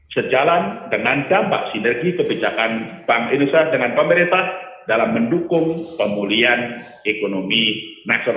sejalan dengan dampak sinergi kebijakan bank indonesia dengan pemerintah dalam mendukung pemulihan ekonomi nasional